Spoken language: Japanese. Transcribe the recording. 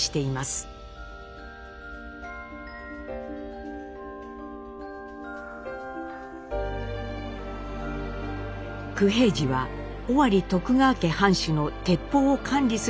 九平治は尾張徳川家藩主の鉄砲を管理する務めに励みます。